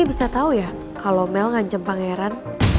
ini bisa tau ya kalau mel ngancam pangeran